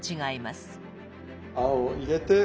餡を入れて。